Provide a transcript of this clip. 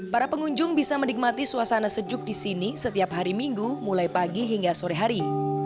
para pengunjung bisa menikmati suasana sejuk di sini setiap hari minggu mulai pagi hingga sore hari